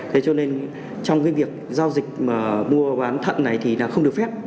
thế cho nên trong cái việc giao dịch mà mua bán thận này thì là không được phép